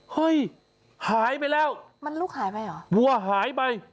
เฮ้ยหายไปแล้วมันลูกหายไปเหรอวัวหายไป